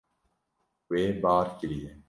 Wê bar kiriye.